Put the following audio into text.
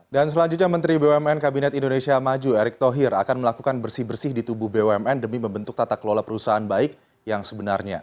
dan selanjutnya menteri bumn kabinet indonesia maju erick thohir akan melakukan bersih bersih di tubuh bumn demi membentuk tata kelola perusahaan baik yang sebenarnya